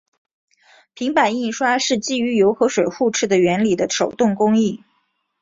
平版印刷是基于油和水互斥的原理的手动工艺。